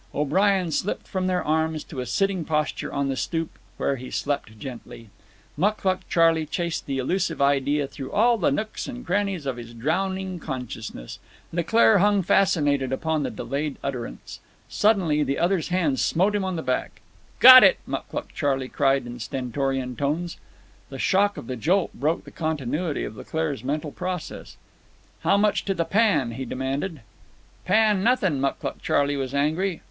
O'Brien slipped from their arms to a sitting posture on the stoop, where he slept gently. Mucluc Charley chased the elusive idea through all the nooks and crannies of his drowning consciousness. Leclaire hung fascinated upon the delayed utterance. Suddenly the other's hand smote him on the back. "Got it!" Mucluc Charley cried in stentorian tones. The shock of the jolt broke the continuity of Leclaire's mental process. "How much to the pan?" he demanded. "Pan nothin'!" Mucluc Charley was angry.